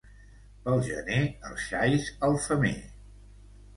Pel gener els xais al femer.